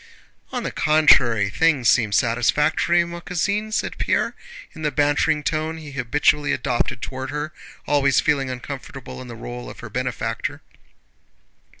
"On the contrary, things seem satisfactory, ma cousine," said Pierre in the bantering tone he habitually adopted toward her, always feeling uncomfortable in the role of her benefactor.